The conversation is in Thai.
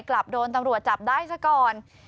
กลับโดนตำรวจจับได้ซะก่อน